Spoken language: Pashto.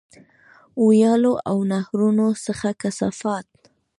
ویالو او نهرونو څخه کثافات.